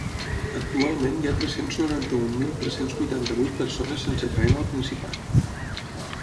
Actualment hi ha tres-cents noranta-un mil tres-cents vuitanta-vuit persones sense feina al Principat.